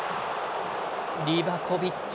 リバコビッチ。